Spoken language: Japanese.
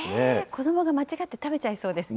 子どもが間違って食べちゃいそうです。